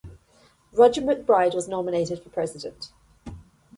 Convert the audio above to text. Roger MacBride was nominated for president.